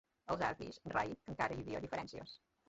Els avis rai, que encara hi havia diferències!